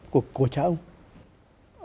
của cha ông